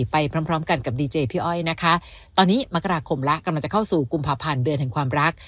ไปพร้อมพร้อมกันกับดีเจพี่อ้อยนะคะตอนนี้มกราคมแล้วกำลังจะเข้าสู่กุมภาพันธ์เดือนแห่งความรัก